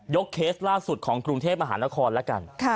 เคสล่าสุดของกรุงเทพมหานครแล้วกัน